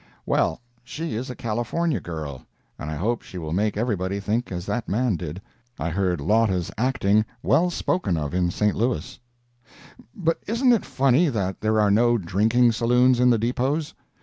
Well, she is a California girl, and I hope she will make everybody think as that man did. I heard Lotta's acting well spoken of in St. Louis. But isn't it funny that there are no drinking saloons in the depots?